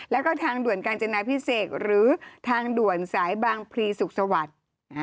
แล้วก็ทางด่วนกาญจนาพิเศษหรือทางด่วนสายบางพลีสุขสวัสดิ์